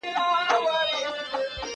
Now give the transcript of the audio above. هغه وويل چي شګه مهمه ده!.